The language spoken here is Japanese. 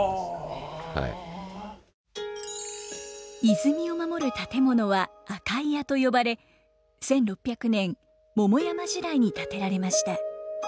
泉を守る建物は閼伽井屋と呼ばれ１６００年桃山時代に建てられました。